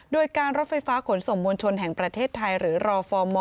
โดยการรถไฟฟ้าขนส่งมวลชนแห่งประเทศไทยหรือรอฟอร์ม